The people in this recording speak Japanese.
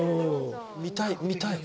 見たい見たい